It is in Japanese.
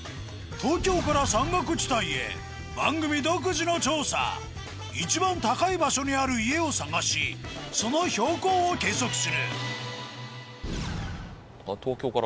東京から山岳地帯へ番組独自の調査一番高い場所にある家を探しその標高を計測するあっ東京から。